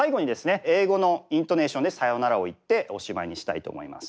英語のイントネーションで「さようなら」を言っておしまいにしたいと思います。